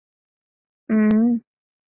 М-м-м...